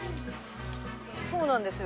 そうなんですよ。